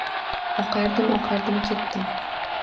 Oqardim, oqardim ketdim